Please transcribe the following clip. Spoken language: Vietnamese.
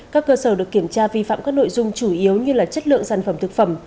các cơ sở được kiểm tra vi phạm các nội dung chủ yếu như chất lượng sản phẩm thực phẩm